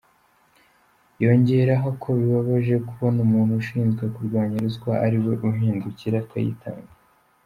Yongeraho ko bibabaje kubona umuntu ushinzwe kurwanya ruswa ariwe uhindukira akayitanga.